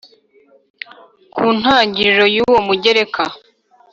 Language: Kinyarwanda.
Ku ntangiriro y uwo mugereka